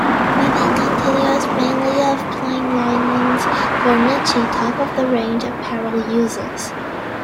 Weaving continues mainly of plain linens for niche, top of the range, apparel uses.